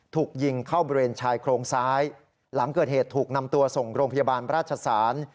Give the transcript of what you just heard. ถูกยิงเข้าบริเวณชายโครงซ้ายหลังเกิดเหตุถูกนำตัวส่งโรงพยาบาลราชศาล